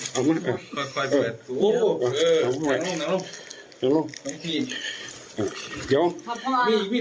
พระอยู่ที่ตะบนพนมไพรครับ